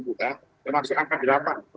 maksudnya akan dilapak